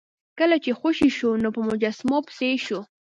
کله چې خوشې شو نو په مجسمو پسې شو.